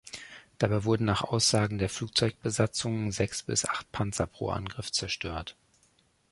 Dabei wurden nach Aussagen der Flugzeugbesatzungen sechs bis acht Panzer pro Angriff zerstört.